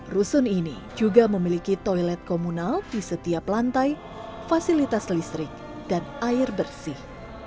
rusun ini juga memiliki toilet komunal di setiap lantai fasilitas listrik dan air bersih